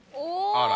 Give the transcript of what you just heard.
あら。